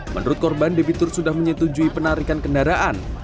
menurut korban debitur sudah menyetujui penarikan kendaraan